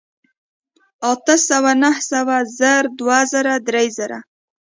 اتۀ سوه نهه سوه زر دوه زره درې زره